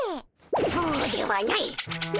そうではないっ。